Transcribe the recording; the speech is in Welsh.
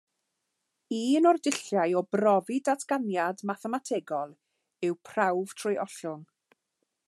Un o'r dulliau o brofi datganiad mathemategol yw prawf trwy ollwng.